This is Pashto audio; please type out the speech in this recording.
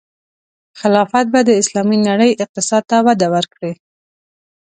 خلافت به د اسلامي نړۍ اقتصاد ته وده ورکړي.